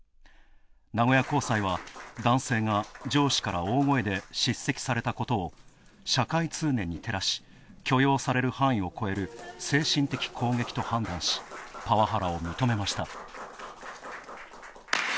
名古屋高裁は男性が上司から大声で叱責されたことを社会通念に照らし、許容される範囲を超える精神的攻撃と判断し、パワハラを認めました。